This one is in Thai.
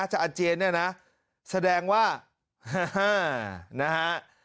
จะอาเจนเนี่ยนะแสดงว่าฮ่านะฮะ